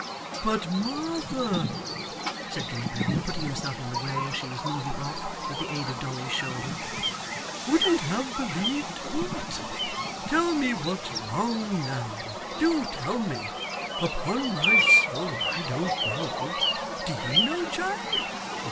'But, Martha,' said Gabriel, putting himself in the way as she was moving off with the aid of Dolly's shoulder, 'wouldn't have believed what? Tell me what's wrong now. Do tell me. Upon my soul I don't know. Do YOU know, child?